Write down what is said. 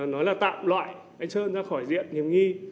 nói là tạm loại anh sơn ra khỏi diện hiểm nghi